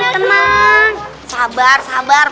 kenang sabar sabar